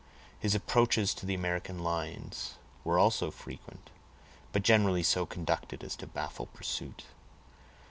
His approaches to the American lines were also frequent; but generally so conducted as to baffle pursuit.